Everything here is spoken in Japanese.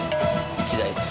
１台です